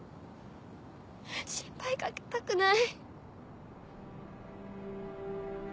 心配かけたくない。